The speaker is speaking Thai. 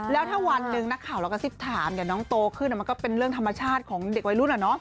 แล้วถ้าวันหนึ่งนักข่าวเรากระซิบถามน้องโตขึ้นมันก็เป็นเรื่องธรรมชาติของเด็กวัยรุ่น